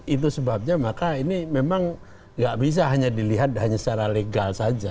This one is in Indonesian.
itu sebabnya maka ini memang nggak bisa hanya dilihat hanya secara legal saja